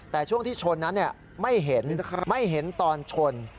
แต่ช่วงที่ชนนั้นไม่เห็นไม่เห็นตอนชน